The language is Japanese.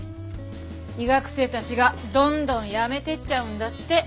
医学生たちがどんどんやめてっちゃうんだって。